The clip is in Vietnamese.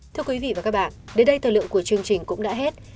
thưa quý vị và các bạn đến đây thời lượng của chương trình cũng đã hết